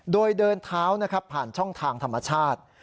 โดยเดินเท้านะครับผ่านช่องทางธรรมชาติ